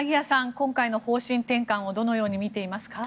今回の方針転換をどのように見ていますか？